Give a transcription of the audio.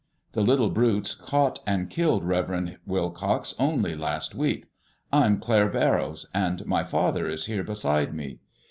The little brutes caught and killed Reverend Wilcox only last week. I'm Claire Barrows, and my father is here beside me."